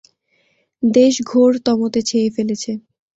দেশ ঘোর তমো-তে ছেয়ে ফেলেছে।